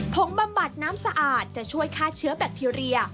งบำบัดน้ำสะอาดจะช่วยฆ่าเชื้อแบคทีเรีย